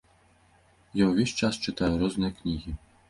Я ўвесь час чытаю розныя кнігі.